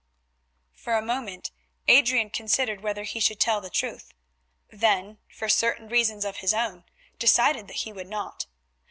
For a moment Adrian considered whether he should tell the truth; then, for certain reasons of his own, decided that he would not.